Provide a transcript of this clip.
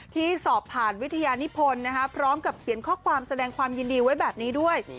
ที่สอบผ่านวิทยานิพลพร้อมกับเขียนข้อความแสดงความยินดีไว้แบบนี้ด้วย